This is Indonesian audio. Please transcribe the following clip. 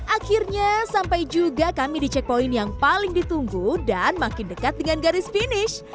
akhirnya sampai juga kami di checkpoint yang paling ditunggu dan makin dekat dengan garis finish